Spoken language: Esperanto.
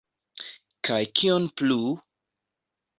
Kaj kion plu?